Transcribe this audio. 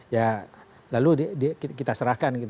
ya lalu kita serahkan